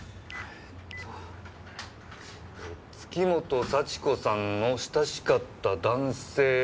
「月本幸子さんの親しかった男性」